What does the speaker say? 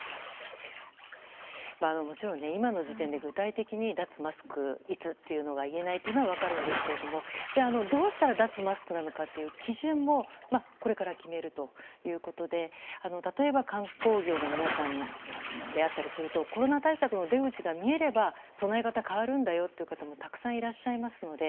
もちろん今の時点で具体的に脱マスクがいつということを言えないというのは分かりますがどうしたら脱マスクなのかという基準もこれから決めるということで例えば観光業の皆さんからするとコロナ対策の出口が見えれば備え方が変わるという方もたくさんいらっしゃいますので